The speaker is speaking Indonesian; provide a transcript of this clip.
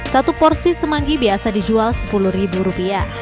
satu porsi semanggi biasa dijual sepuluh ribu rupiah